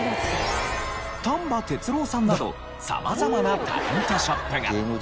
丹波哲郎さんなど様々なタレントショップが。